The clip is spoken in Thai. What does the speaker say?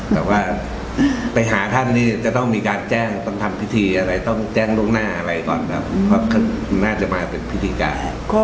แต่ว่าไปหาท่านนี่จะต้องมีการแจ้งต้องทำพิธีอะไรต้องแจ้งล่วงหน้าอะไรก่อนครับว่าน่าจะมาเป็นพิธีการ